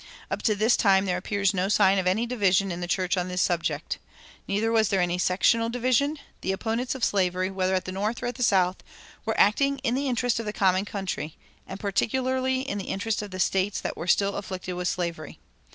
Up to this time there appears no sign of any division in the church on this subject. Neither was there any sectional division; the opponents of slavery, whether at the North or at the South, were acting in the interest of the common country, and particularly in the interest of the States that were still afflicted with slavery.